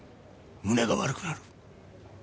胸が悪くなる。